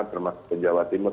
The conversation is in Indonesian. termasuk ke jawa timur